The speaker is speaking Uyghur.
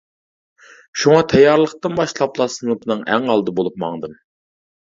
شۇڭا تەييارلىقتىن باشلاپلا سىنىپنىڭ ئەڭ ئالدى بولۇپ ماڭدىم.